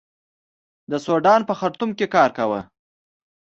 د سوډان په خرتوم کې کار کاوه.